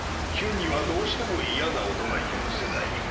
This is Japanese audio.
ヒュンにはどうしても嫌な音が許せない。